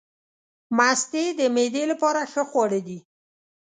مستې د معدې لپاره ښه خواړه دي.